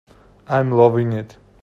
I'm loving it.